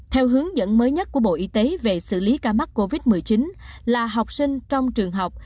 theo hướng dẫn mới nhất của bộ y tế về xử lý ca mắc covid một mươi chín là học sinh trong trường học